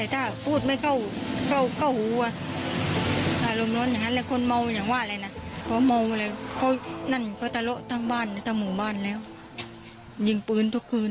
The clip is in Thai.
ตั้งหมู่บ้านแล้วยิงปืนทุกคืน